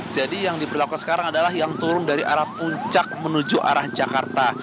jadi yang diberlakukan sekarang adalah yang turun dari arah puncak menuju arah jakarta